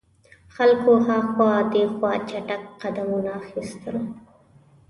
خلکو هاخوا دیخوا چټګ قدمونه اخیستل.